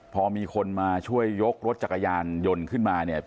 พอมีคนมาช่วยยกรถจักรยานยนต์ขึ้นมาเนี่ย